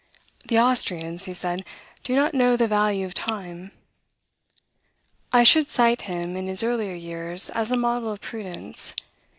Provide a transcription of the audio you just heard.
"The Austrians," he said, "do not know the value of time." I should cite him, in his earlier years, as a model of prudence.